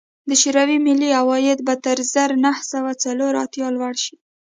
د شوروي ملي عواید به تر زر نه سوه څلور اتیا لوړ شي